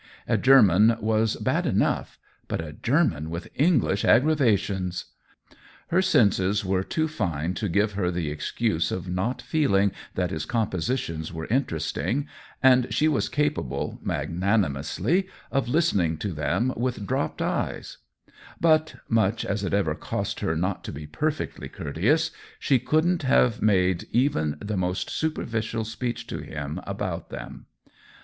A German was bad enough — but a German with English aggravations ! Her senses were too fine to give her the excuse of not feeling that his compositions were interesting, and she was capable, magnanimously, of listening to them with dropped eyes ; but (much as it ever cost her not to be perfectly courteous) she couldn't have made even the most superficial speech to him about them.